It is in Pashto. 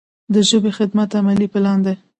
د ژبې خدمت عملي پلان دی.